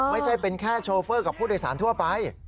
ไม่ใช่เป็นแค่โชเฟอร์กับผู้โดยสารทั่วไป